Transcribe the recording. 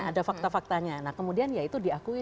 ada fakta faktanya nah kemudian ya itu diakui